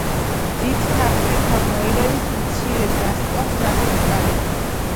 დიდთა ხეთა მოერევის, მცირე დასწვავს ნაპერწკალი